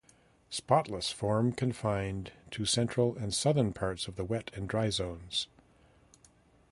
Spotless form confined to central and southern parts of wet and dry zones.